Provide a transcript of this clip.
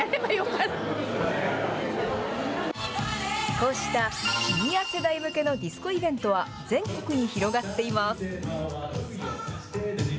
こうしたシニア世代向けのディスコイベントは全国に広がっています。